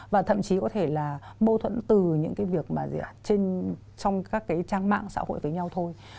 và thậm chí có thể là mâu thuẫn từ những cái việc mà trong các cái trang mạng xã hội với nhau thôi